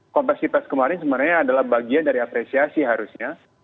kompleks sipers kemarin sebenarnya adalah bagian dari apresiasi harusnya